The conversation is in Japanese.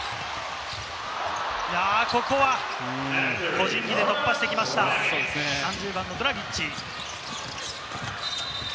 ここは個人技で突破してきました、３０番のドラギッチ。